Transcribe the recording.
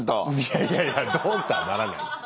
いやいやいやドーンとはならない。